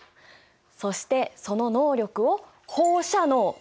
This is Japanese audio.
そしてその能力を放射能と名付けた。